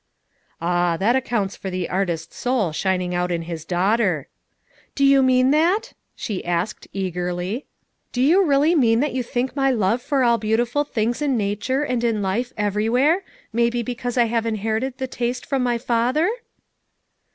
"Ah, that accounts for the artist soul shin ing out in his daughter." "Do you mean that?" she asked eagerly. "Do you really mean that you think my love for all beautiful things in nature and in life everywhere, may be because I have inherited the taste from my father?"